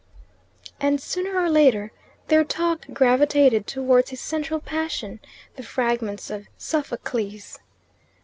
And sooner or later their talk gravitated towards his central passion the Fragments of Sophocles.